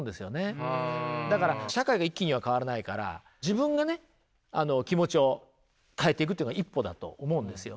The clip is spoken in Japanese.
だから社会が一気には変わらないから自分がね気持ちを変えてくというのは一歩だと思うんですよね。